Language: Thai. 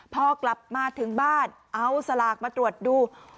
พอกลับมาถึงบ้านเอาสลากมาตรวจดู